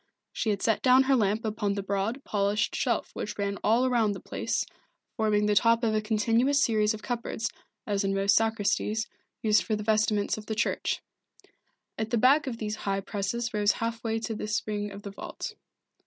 She had set down her lamp upon the broad, polished shelf which ran all round the place, forming the top of a continuous series of cupboards, as in most sacristies, used for the vestments of the church. At the back of these high presses rose half way to the spring of the vault.